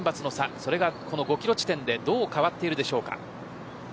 それが５キロ地点でどう変わっているでしょうか。